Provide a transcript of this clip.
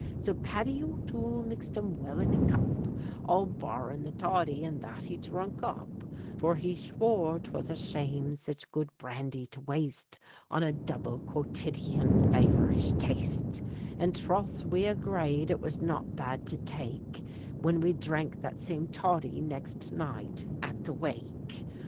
So Paddy O'Toole mixed 'em well in a cup All barrin' the toddy, and that be dhrunk up; For he shwore 'twas a shame sich good brandy to waste On a double quotidian faverish taste; And troth we agrade it was not bad to take, Whin we dhrank that same toddy nixt night at the wake!